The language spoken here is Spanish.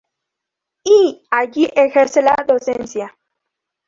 Y allí ejerce la docencia.